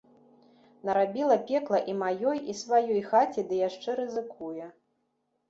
Нарабіла пекла і маёй, і сваёй хаце ды яшчэ рызыкуе.